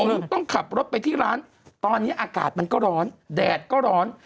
ลูกต้องขับรถไปที่ร้านตอนนี้อากาศมันก็ร้อนแดดก็ร้อน